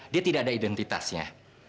dia tidak ada identitasnya